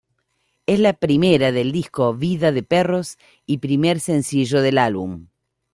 Es la primera del disco "Vida de perros" y primer sencillo del álbum.